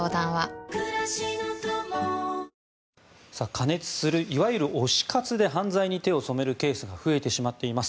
過熱するいわゆる推し活で犯罪に手を染めるケースが増えてしまっています。